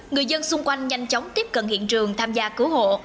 người dân xung quanh nhanh chóng tiếp cận hiện trường tham gia cứu hộ